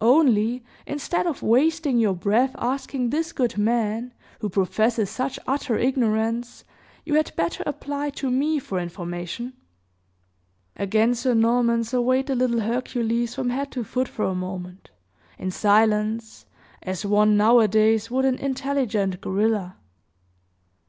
"Only, instead of wasting your breath asking this good man, who professes such utter ignorance, you had better apply to me for information." Again Sir Norman surveyed the little Hercules from head to foot for a moment, in silence, as one, nowadays, would an intelligent gorilla.